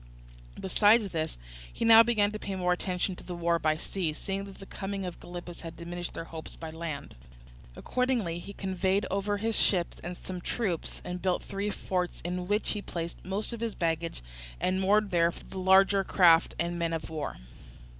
Besides this, he now began to pay more attention to the war by sea, seeing that the coming of Gylippus had diminished their hopes by land. Accordingly, he conveyed over his ships and some troops, and built three forts in which he placed most of his baggage, and moored there for the future the larger craft and men of war.